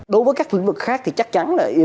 đối với các lĩnh vực khác thì chắc chắn